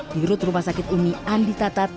dirut rumah sakit umi andi tatat